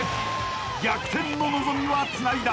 ［逆転の望みはつないだ。